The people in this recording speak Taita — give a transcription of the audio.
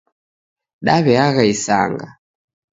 Daweagha isanga